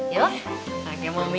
yuk pake momi